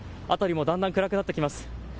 辺りもだんだん暗くなってきます。